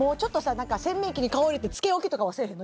何か洗面器に顔入れて漬け置きとかはせえへんの？